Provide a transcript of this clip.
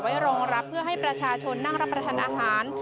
รองรับเพื่อให้ประชาชนนั่งรับประทานอาหาร